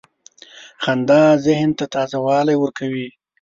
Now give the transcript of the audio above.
• خندا ذهن ته تازه والی ورکوي.